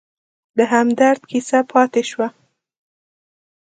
د همدرد کیسه پاتې شوه.